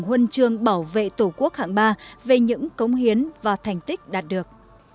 huân chương bảo vệ tổ quốc hạng ba về những cống hiến và thành tích đạt được